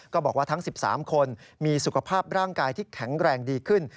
บอกว่าทั้ง๑๓คนมีสุขภาพร่างกายที่แข็งแรงดีขึ้น